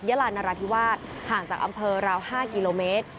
ยาลานราธิวาสห่างจากอำเภอราว๕กิโลเมตร